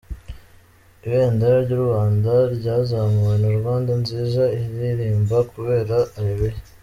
Ibendera ry’u Rwanda ryazamuwe na Rwanda nziza iririmbwa kubera Areruya